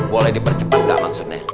boleh dipercepat gak maksudnya